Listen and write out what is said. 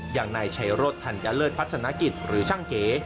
อย่างนายชัยรถธัญเลิศพัฒนกิจหรือช่างเก๋